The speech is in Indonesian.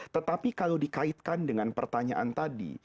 tetapi kalau dikaitkan dengan pertanyaan tadi